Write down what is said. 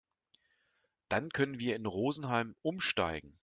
Dann können wir in Rosenheim umsteigen.